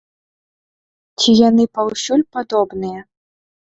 Ці яны паўсюль падобныя?